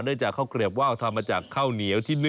เนื่องจากเข้ากรีบว่าวทำมาจากเข้าเหนียวที่๑